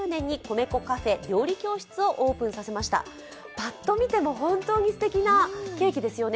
パッと見ても本当にすてきなケーキですよね。